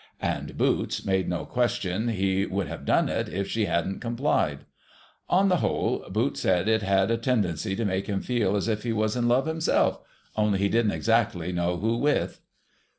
And Boots made no question he would have done it if she hadn't complied. On the whole, Boots said it had a tendency to make him feel as if he was in love himself — only he didn't exactly know who with.